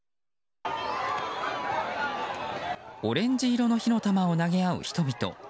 オレンジ色の火の玉を投げ合う人々。